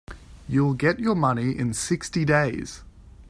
You'll get your money in sixty days.